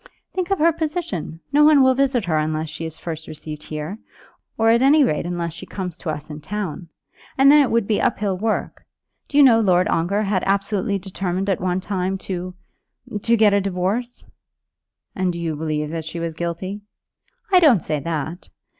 "Think of her position. No one will visit her unless she is first received here, or at any rate unless she comes to us in town. And then it would be up hill work. Do you know Lord Ongar had absolutely determined at one time to to get a divorce?" "And do you believe that she was guilty?" "I don't say that.